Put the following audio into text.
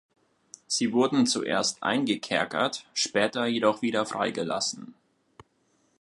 Sie wurden zuerst eingekerkert, später jedoch wieder freigelassen.